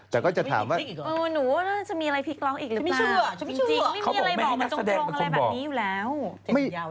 เราเริ่มเห็นแล้วใครฆ่า